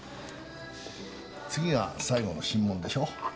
次が最後の審問でしょ？